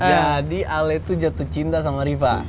jadi ale itu jatuh cinta sama riva